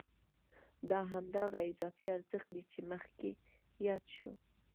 دا هماغه اضافي ارزښت دی چې مخکې یاد شو